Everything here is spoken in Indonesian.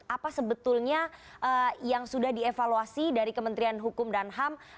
apa sebetulnya yang sudah dievaluasi dari kementerian hukum dan ham